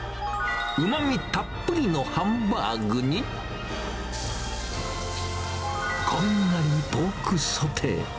うまみたっぷりのハンバーグに、こんがりポークソテー。